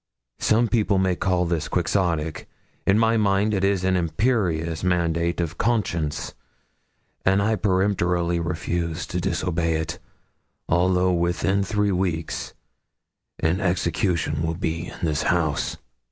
Some people may call this Quixotic. In my mind it is an imperious mandate of conscience; and I peremptorily refuse to disobey it, although within three weeks an execution will be in this house!'